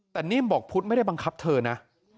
แต่นิ่มบอกพุทธไม่ได้บังคับเธอนะ